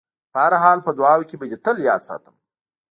په هر حال په دعاوو کې به دې تل یاد ساتم.